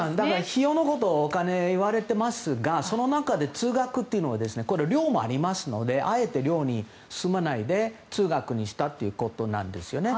費用のことお金がいわれていますがその中で、通学というのは寮もありますがあえて寮に住まないで通学にしたということなんです。